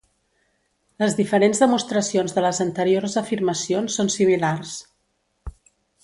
Les diferents demostracions de les anteriors afirmacions són similars.